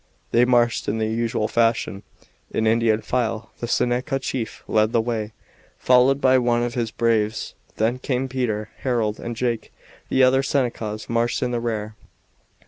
They marched in the usual fashion in Indian file; the Seneca chief led the way, followed by one of his braves; then came Peter, Harold, and Jake; the other Senecas marched in the rear.